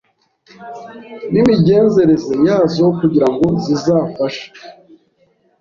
n’Imigenzereze yazo kugira ngo zizafashe